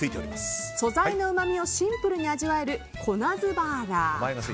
素材のうまみをシンプルに味わえる、コナズバーガー。